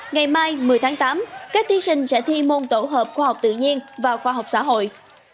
ngày mai một mươi tháng tám các thí sinh sẽ thi môn tổ hợp khoa học tự nhiên và khoa học xã hội